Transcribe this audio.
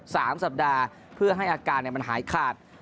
สามสัปดาห์เพื่อให้อาการเนี่ยมันหายขาด